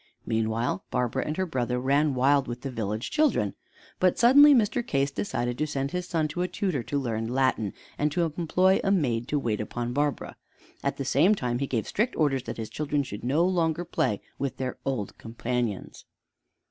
Meanwhile Barbara and her brother ran wild with the village children. But suddenly Mr. Case decided to send his son to a tutor to learn Latin, and to employ a maid to wait upon Barbara. At the same time he gave strict orders that his children should no longer play with their old companions.